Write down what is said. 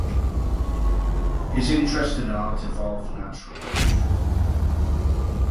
His interest in art evolved naturally.